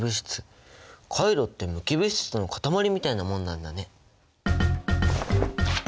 カイロって無機物質の塊みたいなものなんだね！